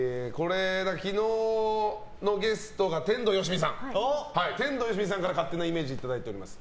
昨日のゲストの天童よしみさんから勝手なイメージいただいております。